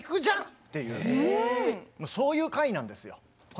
もうそういう回なんですよ。